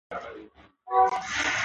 معياري ګړدود کوم دي؟